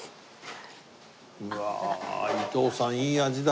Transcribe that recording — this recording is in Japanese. うわあ伊藤さんいい味だ。